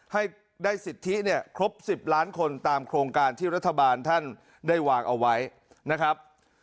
ให้ได้สิทธิเนี่ยครบ๑๐ล้านคนตามโครงการที่รัฐบาลท่านได้วางเอาไว้นะครับ